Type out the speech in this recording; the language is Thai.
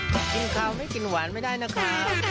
กินข้าวไม่กินหวานไม่ได้นะคะ